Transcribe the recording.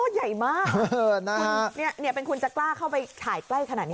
อ๋อใหญ่มากนะฮะเนี่ยเนี่ยเป็นคุณจะกล้าเข้าไปถ่ายใกล้ขนาดนี้